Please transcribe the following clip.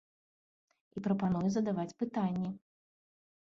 І прапануе задаваць пытанні.